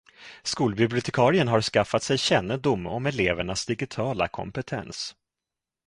Skolbibliotekarien har skaffat sig kännedom om elevernas digitala kompetens.